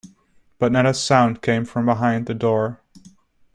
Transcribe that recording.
But not a sound came from behind the door.